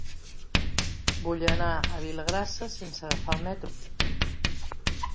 Vull anar a Vilagrassa sense agafar el metro.